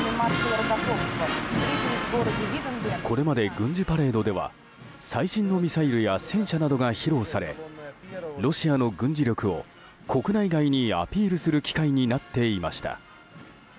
これまで軍事パレードでは最新のミサイルや戦車などが披露されロシアの軍事力を国内外にアピールする機会になっていました。